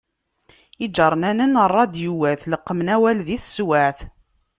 Iğernanen ṛṛadyuwat, leqmen awal di teswaԑt.